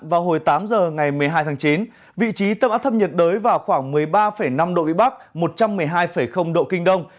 vào hồi tám giờ ngày một mươi hai tháng chín vị trí tâm áp thấp nhiệt đới vào khoảng một mươi ba năm độ vĩ bắc một trăm một mươi hai độ kinh đông